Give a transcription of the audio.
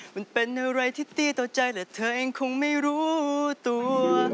มันเป็นอะไรที่ตี้ต่อใจและเธอเองคงไม่รู้ตัว